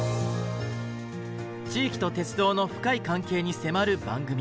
地域と鉄道の深い関係に迫る番組。